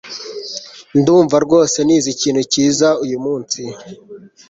Ndumva rwose nize ikintu cyiza uyumunsi